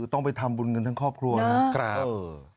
ต้องไปทำบุญกันทั้งครอบครัวนะครับ